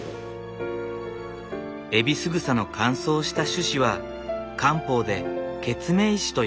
エビスグサの乾燥した種子は漢方でケツメイシと呼ばれている。